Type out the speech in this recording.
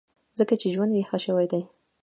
ځکه چې ژوند یې ښه شوی دی.